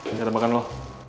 ini tempat makan lo